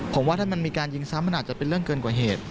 ผมว่าถ้ามันมีการยิงซ้ำมันอาจจะเป็นเรื่องเกินกว่าเหตุ